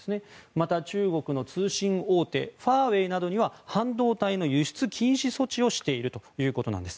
また中国の通信大手ファーウェイなどには半導体の輸出禁止措置をしているということです。